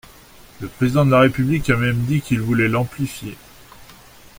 Le Président de la République a même dit qu’il voulait l’amplifier.